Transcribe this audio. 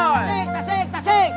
tasik tasik tasik